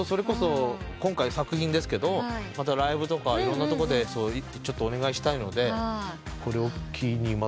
今回作品ですけどまたライブとかいろんなとこでお願いしたいのでこれを機に。